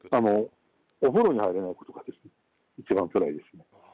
お風呂に入れないことが一番つらいです。